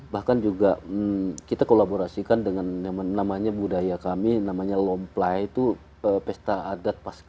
bahkan juga kita kolaborasikan dengan yang namanya budaya kami namanya lomplai itu pesta adat